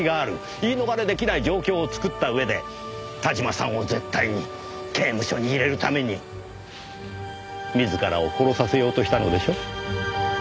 言い逃れ出来ない状況を作った上で田島さんを絶対に刑務所に入れるために自らを殺させようとしたのでしょ？